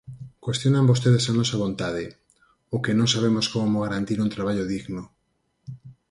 Cuestionan vostedes a nosa vontade, ou que non sabemos como garantir un traballo digno.